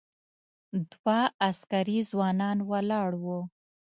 دوه عسکري ځوانان ولاړ و.